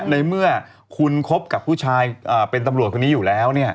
ในเมื่อคุณคบกับผู้ชายเป็นตำรวจคนนี้อยู่แล้ว